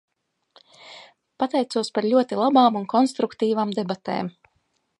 Pateicos par ļoti labām un konstruktīvām debatēm.